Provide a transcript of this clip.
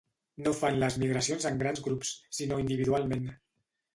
No fan les migracions en grans grups, sinó individualment.